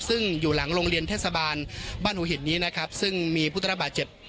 ซึ่งอยู่หลังโรงเรียนเทศบาลบ้านหูหิดนี้นะครับ